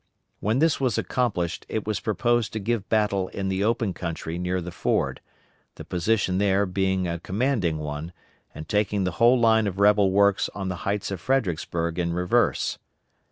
When this was accomplished it was proposed to give battle in the open country near the ford, the position there being a commanding one and taking the whole line of rebel works on the heights of Fredericksburg in reverse.